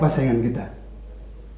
perusahaan kita terjepit